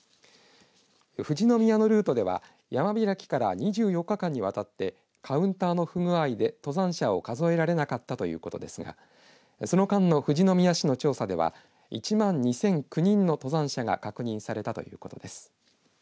富士宮のルートでは山開きから２４日間にわたってカウンターの不具合で登山者を数えられなかったということですがその間の富士宮市の調査では１万２００９人の登山者が確認されたということです。